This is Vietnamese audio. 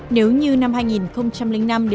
nếu như năm hai nghìn năm hai nghìn sáu